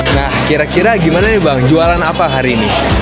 nah kira kira gimana nih bang jualan apa hari ini